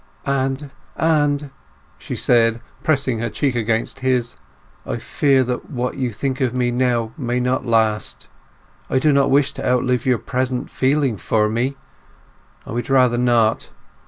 "And—and," she said, pressing her cheek against his, "I fear that what you think of me now may not last. I do not wish to outlive your present feeling for me. I would rather not.